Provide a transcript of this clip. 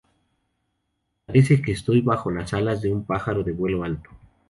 Parece que estoy bajo las alas de un pájaro de vuelo alto".